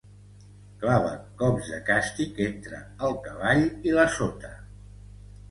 Clava cops de càstig entre el cavall i la sota.